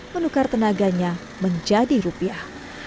menukar tenaganya menjadi rupiah